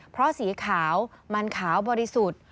เพราะสีขาวมันขาวบริสุทธิ์